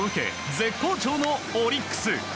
絶好調のオリックス。